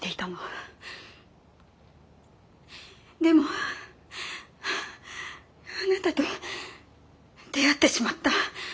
でもあなたと出会ってしまった。